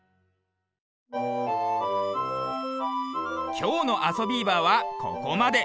きょうの「あそビーバー」はここまで。